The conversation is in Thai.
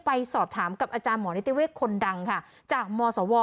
ไปสอบถามกับอาจารย์หมอนิติเวศคนดังค่ะจากมศว